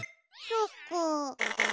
そっか。